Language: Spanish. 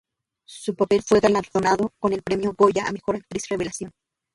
Su papel fue galardonado con el Premio Goya a mejor actriz revelación.